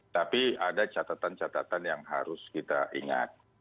tapi ada catatan catatan yang harus kita ingat